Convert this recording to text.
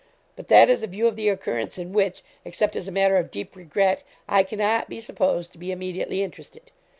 But that is a view of the occurrence in which, except as a matter of deep regret, I cannot be supposed to be immediately interested.